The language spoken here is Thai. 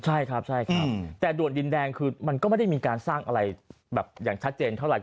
ใช่ครับใช่ครับแต่ด่วนดินแดงคือมันก็ไม่ได้มีการสร้างอะไรแบบอย่างชัดเจนเท่าไหร